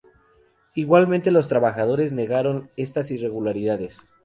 Igualmente los trabajadores negaron estas irregularidades.